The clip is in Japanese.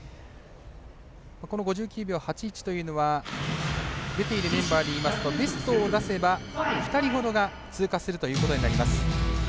この５９秒８１というのは出ているメンバーでいいますとベストを出せば２人ほどが通過するということになります。